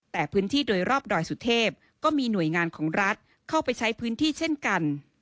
แต่พื้นที่โดยรอบดอยสุเทพก็มีหน่วยงานของรัฐเข้าไปใช้พื้นที่เช่นกัน